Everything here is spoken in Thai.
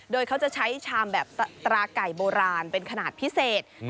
โดยเขาจะใช้ชามแบบตราไก่โบราณเป็นขนาดพิเศษ